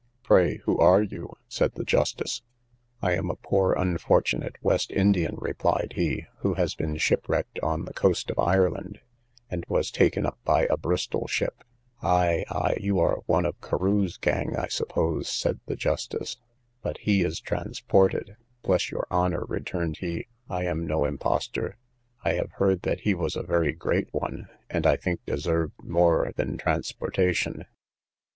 Pray, who are you? said the justice. I am a poor unfortunate West Indian, replied he, who has been shipwrecked on the coast of Ireland, and was taken up by a Bristol ship. Ay, ay, you are one of Carew's gang, I suppose, said the justice, but he is transported. Bless your honour, returned he, I am no impostor; I have heard that he was a very great one, and I think deserved more than transportation.